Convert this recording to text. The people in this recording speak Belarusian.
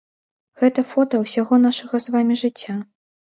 Гэта фота ўсяго нашага з вамі жыцця.